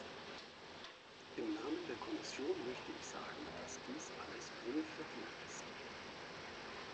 Im Namen der Kommission möchte ich sagen, dass dies alles wohlverdient ist.